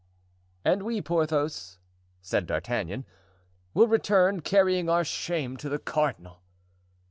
"And we, Porthos," said D'Artagnan, "will return, carrying our shame to the cardinal."